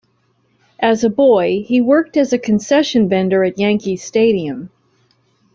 As a boy, he worked as a concession vendor at Yankee Stadium.